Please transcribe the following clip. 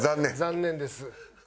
残念です。